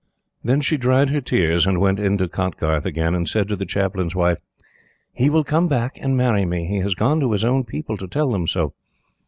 Then she dried her tears and went in to Kotgarth again, and said to the Chaplain's wife: "He will come back and marry me. He has gone to his own people to tell them so."